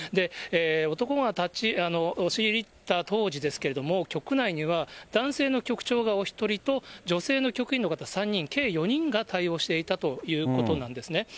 男が押し入った当時ですけれども、局内には男性の局長がお１人と、女性の局員の方３人、計４人が対応していたということなんですね。